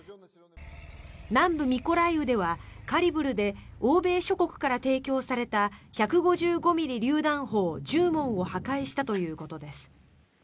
南部ミコライウではカリブルで欧米諸国から提供された１５５ｍｍりゅう弾砲１０門を破壊したということです。